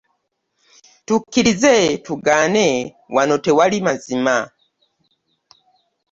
Tukkirize tugaane wano tewali mazima.